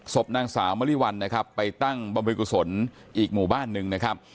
ศพนางสาวมะลิวัลไปตั้งบำริกุศลอีกหมู่บ้านหนึ่ง